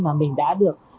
mà mình đã được